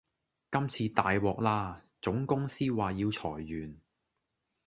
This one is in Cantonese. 今次大獲啦！總公司話要裁員